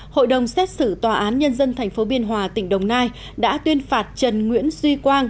hội đồng xét xử tòa án nhân dân tp biên hòa tỉnh đồng nai đã tuyên phạt trần nguyễn duy quang